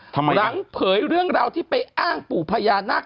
หลังเผยเรื่องราวที่ไปอ้างปู่พญานาค